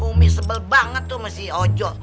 umi sebel banget tuh sama si ojo